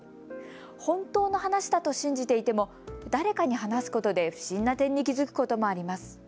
本当の話だと信じていても誰かに話すことで不審な点に気付くこともあります。